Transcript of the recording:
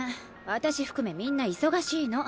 私含めみんな忙しいの。